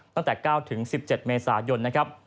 ตั้งแต่๙๑๗เมษายนนะครับ